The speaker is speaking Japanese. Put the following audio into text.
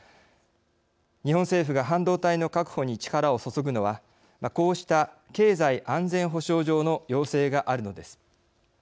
日本政府が半導体の確保に力を注ぐのはこうした経済安全保障上の要請があるのです。